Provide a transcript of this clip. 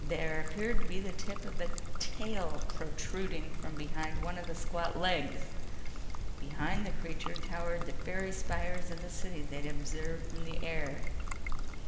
There appeared to be the tip of a tail protruding from behind one of the squat legs. Behind the creature towered the faery spires of the city they'd observed from the air.